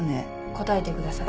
答えてください。